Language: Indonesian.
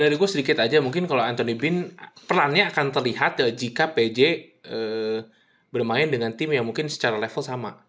dari gue sedikit aja mungkin kalau anthony bin perannya akan terlihat jika pj bermain dengan tim yang mungkin secara level sama